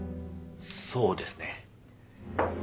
そうですね。